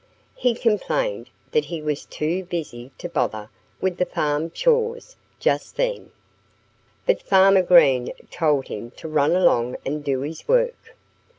He complained that he was too busy to bother with the farm chores just then. But Farmer Green told him to run along and do his work.